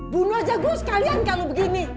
bunuh aja gue sekalian kalau begini